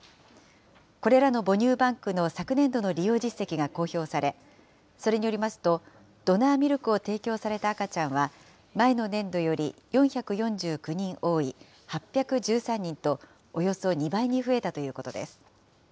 これらの母乳バンクの昨年度の利用実績が公表され、それによりますと、ドナーミルクを提供された赤ちゃんは、前の年度より４４９人多い８１３人と、およそ２倍に増えたということです。